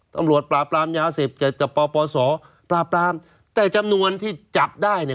ตำรวจปราบปรามยาสิบกับป่าวป่าวสอปราบปรามแต่จำนวนที่จับได้เนี้ย